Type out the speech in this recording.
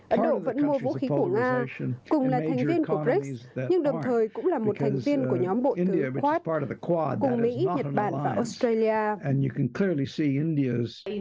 ấn độ vẫn mua vũ khí của nga cùng là thành viên của brics nhưng đồng thời cũng là một thành viên của nhóm bộ thử khoat cùng mỹ nhật bản và australia